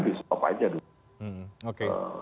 bisa stop aja dulu